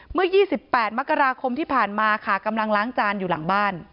เมื่อ๒๘มกราคมที่ผ่านมาค่ะกำลังล้างจานอยู่หลังบ้าน